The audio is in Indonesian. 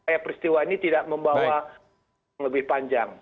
karena peristiwa ini tidak membawa lebih panjang